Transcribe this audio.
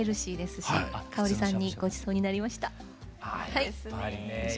はい。